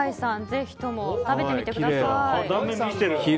ぜひとも食べてみてください。